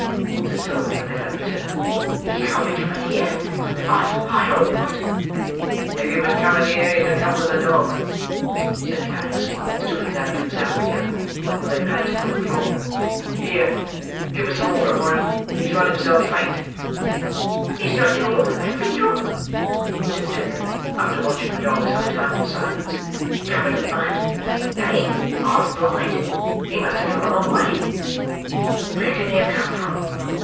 said Toby when they had returned. "He can't be coming here. I—I—hope not." "If he was coming here, he'd have come with the dog," said Kags, stooping down to examine the animal, who lay panting on the floor. "Here! Give us some water for him; he has run himself faint." "He's drunk it all up, every drop," said Chitling after watching the dog some time in silence. "Covered with mud—lame—half blind—he must have come a long way." "Where can he have come from!"